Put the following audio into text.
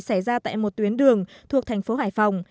xảy ra tại một tuyến đường thuộc thành phố hải phòng